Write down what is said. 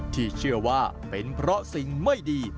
ที่เชื่อว่าเป็นเพราะสิ่งไม่ดี